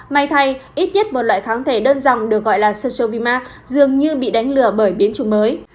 may thay ít nhất một loại kháng thể đơn dòng được gọi là sosovima dường như bị đánh lừa bởi biến chủng mới